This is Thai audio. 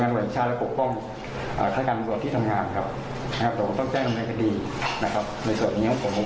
เรื่องนี้นะครับพันธบทเอก